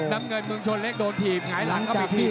น้ำเงินเมืองชนเล็กโดนถีบหงายหลังเข้าไปอีกที